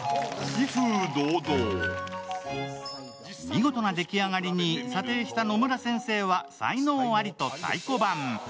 見事な出来上がりに査定した野村先生は才能アリと太鼓判。